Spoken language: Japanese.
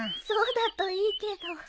そうだといいけど。